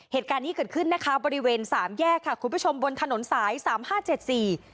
เหตุการณ์นี้เกิดขึ้นนะคะบริเวณสามแยกค่ะคุณผู้ชมบนถนนสายสามห้าเจ็ดสี่